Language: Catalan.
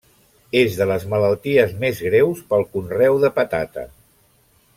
És de les malalties més greus pel conreu de patata.